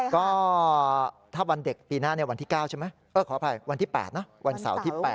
ก็ถ้าวันเด็กปีหน้าวันที่๙ใช่ไหมขออภัยวันที่๘นะวันเสาร์ที่๘